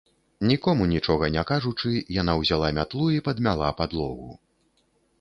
Нікому нічога не кажучы, яна ўзяла мятлу і падмяла падлогу.